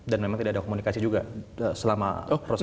dan memang tidak ada komunikasi juga selama prosesnya